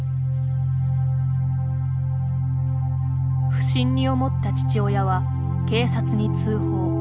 不審に思った父親は警察に通報。